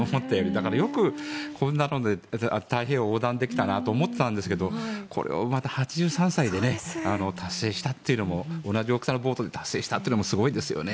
だからよくこんなので太平洋を横断できたと思っていたんですがこれをまた８３歳で達成したというのも同じ大きさのボートで達成したのもすごいですよね。